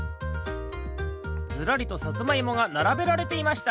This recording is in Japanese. ずらりとさつまいもがならべられていました。